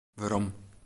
Werom.